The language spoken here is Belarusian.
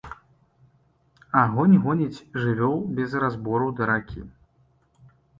Агонь гоніць жывёл без разбору да ракі.